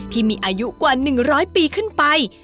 ที่มีอายุกว่า๑๐๐ปีขึ้นไป